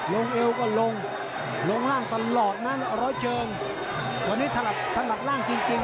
ลงเอวก็ลงลงล่างตลอดรออยเฉิงตอนนี้ถนัดทางล่างจริง